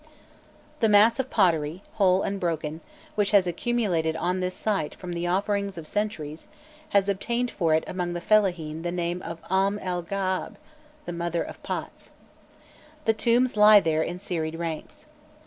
The mass of pottery, whole and broken, which has accumulated on this site from the offerings of centuries has obtained for it among the Fellahin the name of Omm el G aâb "the mother of pots." The tombs there lie in serried ranks.